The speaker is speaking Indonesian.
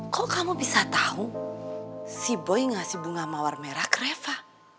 kok kamu bisa tahu si boy ngasih bunga mawar merah kreva